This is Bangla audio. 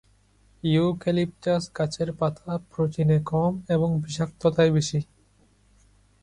ইউক্যালিপটাস গাছের পাতা প্রোটিনে কম এবং বিষাক্ততায় বেশি।